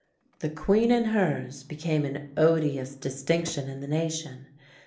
"The queen and hers" became an odious distinction in the nation.